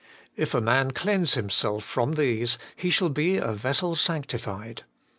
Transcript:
' If a man cleanse him self from these, he shall be a vessel sanctified.'